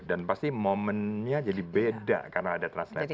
dan pasti momennya jadi beda karena ada translator